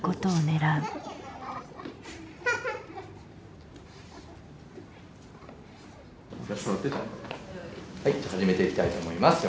はい始めていきたいと思います。